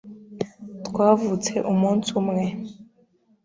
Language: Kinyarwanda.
Twavutse umunsi umwe.